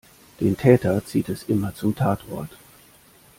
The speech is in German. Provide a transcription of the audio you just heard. Den Täter zieht es immer zum Tatort.